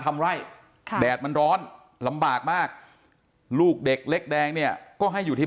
ทำไร่ค่ะแดดมันร้อนลำบากมากลูกเด็กเล็กแดงเนี่ยก็ให้อยู่ที่